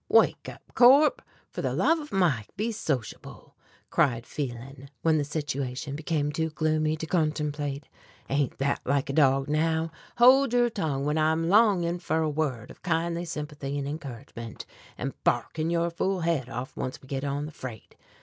"Wake up, Corp; for the love of Mike be sociable!" cried Phelan when the situation became too gloomy to contemplate. "Ain't that like a dog now? Hold your tongue when I'm longing for a word of kindly sympathy an' encouragement, and barking your fool head off once we get on the freight.